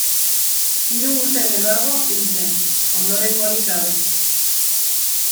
Hiru urte geroago hil zen, ondorengorik gabe.